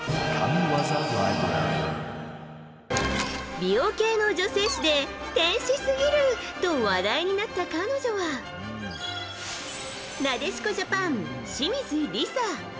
美容系の女性誌で天使すぎると話題になった彼女はなでしこジャパン、清水梨紗。